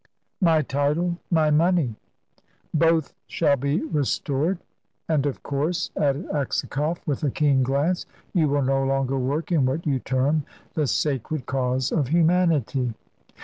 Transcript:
"My title, my money " "Both shall be restored. And of course," added Aksakoff, with a keen glance, "you will no longer work in what you term the sacred cause of humanity."